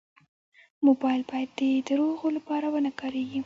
موبایل باید د دروغو لپاره و نه کارېږي.